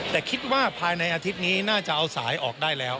แต่คิดว่าภายในอาทิตย์นี้น่าจะเอาสายออกได้แล้ว